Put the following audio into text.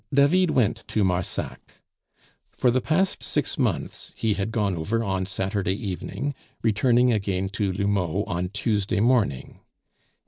David went to Marsac. For the past six months he had gone over on Saturday evening, returning again to L'Houmeau on Tuesday morning.